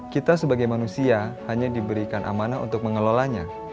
kita sebagai manusia hanya diberikan amanah untuk mengelolanya